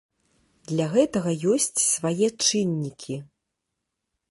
Для гэтага ёсць свае чыннікі.